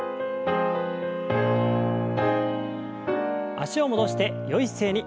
脚を戻してよい姿勢に。